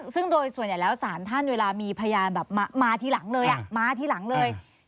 ซึ่งโดยส่วนใหญ่แล้วสารท่านเวลามีพยานแบบมาทีหลังเลยมาทีหลังเลย